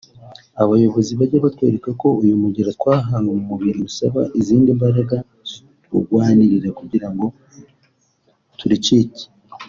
abayobozi…bajye batwereka ko uyu mugera twahawe mu mubiri usaba izindi mbaraga zitwunganira kugira ngo turicike